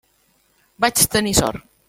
Vaig tenir sort.